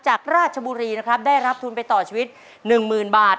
จากราชบุรีนะครับได้รับทุนไปต่อชีวิต๑๐๐๐บาท